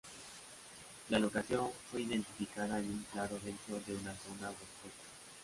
La locación fue identificada en un claro dentro de una zona boscosa.